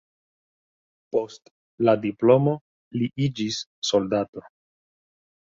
Post la diplomo li iĝis soldato.